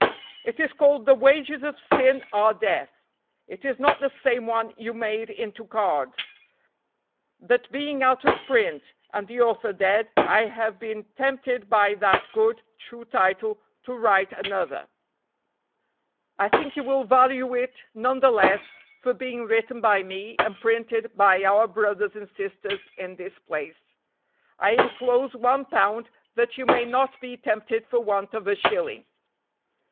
"It is called 'The Wages of Sin are Death.' It is not the same one you made into cards; that being out of print and the author dead I have been tempted by that good, true title to write another. I think you will value it none the less for being written by me and printed by our brothers and sisters in this place. I inclose one pound that you may not be tempted for want of a shilling."